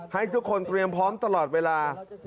ให้ทุกคนเตรียมพร้อมตลอดเวลา